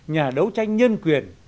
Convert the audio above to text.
nhà đấu tranh nhân quyền